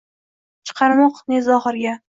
Chiqarmoq ne zohirga.